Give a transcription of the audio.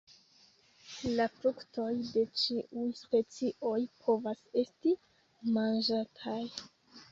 La fruktoj de ĉiuj specioj povas esti manĝataj.